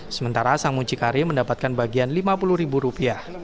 sementara sang mucikari mendapatkan bagian rp lima puluh